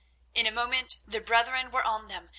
In a moment the brethren were on them.